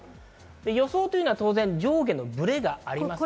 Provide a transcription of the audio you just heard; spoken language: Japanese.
予想というのは当然、上下のブレがあります。